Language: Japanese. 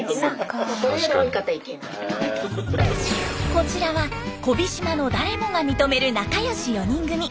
こちらは小飛島の誰もが認める仲良し４人組。